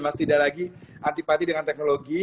mas tidak lagi antipati dengan teknologi